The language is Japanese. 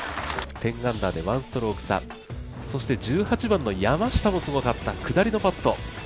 １０アンダーで１ストローク差そして１８番の山下もすごかった、下りのパット。